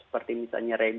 seperti misalnya regenering